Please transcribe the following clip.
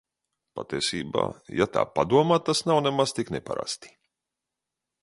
Patiesībā, ja tā padomā tas nemaz nav tik neparasti!